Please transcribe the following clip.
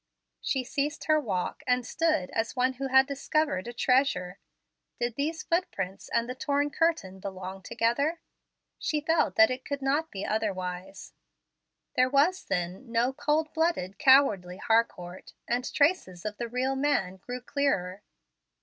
She ceased her walk, and stood as one who had discovered a treasure. Did these footprints and the torn curtain belong together? She felt that it could not be otherwise. There was, then, no cold blooded, cowardly Harcourt, and traces of the real man grew clearer.